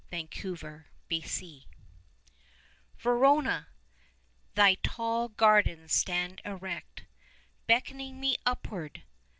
TO VERONA Verona! thy tall gardens stand erect Beckoning me upward.